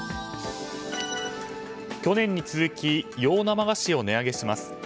去年に続き洋生菓子を値上げします。